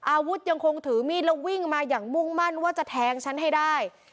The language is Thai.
อาวุธยังคงถือมีดแล้ววิ่งมาอย่างมุ่งมั่นว่าจะแทงฉันให้ได้